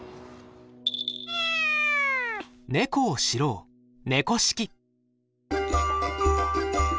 猫を知ろう「猫識」。